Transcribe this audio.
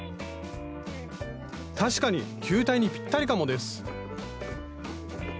確かに球体にぴったりかもです